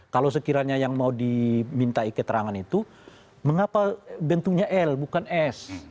kalau sekiranya yang mau dimintai keterangan itu mengapa bentuknya l bukan s